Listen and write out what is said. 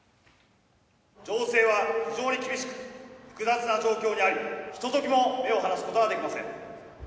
情勢は非常に厳しく、複雑な状況にあり、ひとときも目を離すことはできません。